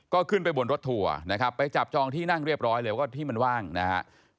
ก็ขึ้นไปบนรถทัวร์นะครับไปจับจองที่นั่งเรียบร้อยเลยว่าที่มันว่างนะครับ